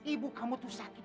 ibu kamu tuh sakit